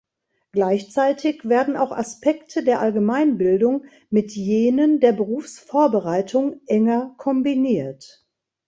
Gleichzeitig werden auch Aspekte der Allgemeinbildung mit jenen der Berufsvorbereitung enger kombiniert.